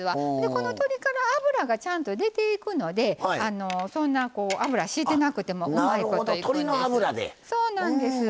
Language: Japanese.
鶏から油がちゃんと出ていくのでそんな油を引いてなくてもうまいこといきます。